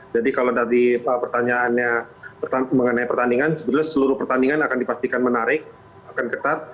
jadi kalau tadi pak pertanyaannya mengenai pertandingan sebenarnya seluruh pertandingan akan dipastikan menarik akan ketat